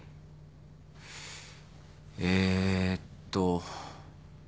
えーっと。